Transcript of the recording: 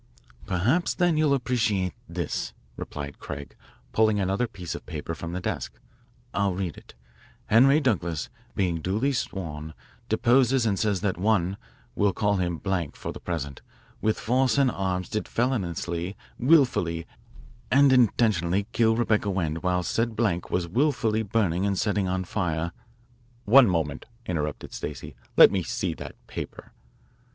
Perhaps, then, you'll appreciate this," replied Craig, pulling another piece of paper from the desk. "I'll read it. 'Henry Douglas, being duly sworn, deposes and says that one' we'll call him 'Blank' for the present 'with force and arms did feloniously, wilfully, and intentionally kill Rebecca Wend whilst said Blank was wilfully burning and setting on fire " "One moment," interrupted Stacey. "Let me see that paper."